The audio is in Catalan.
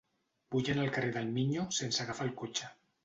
Vull anar al carrer del Miño sense agafar el cotxe.